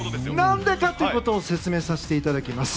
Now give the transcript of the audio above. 何でかということを説明させていただきます。